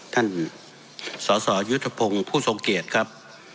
ท่านสอสอยุธพงษ์ผู้สงเกตครับ